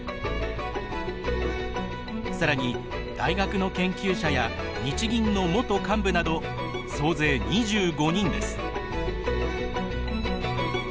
さらに、大学の研究者や日銀の元幹部など総勢２５人です。